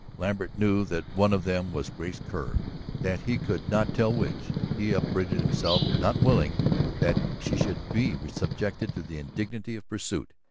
Lambert knew that one of them was Grace Kerr. That he could not tell which, he upbraided himself, not willing that she should be subjected to the indignity of pursuit.